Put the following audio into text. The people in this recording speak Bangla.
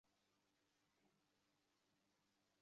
এখানে বসত গড়েছে হাজারো প্রজাতির প্রাণী।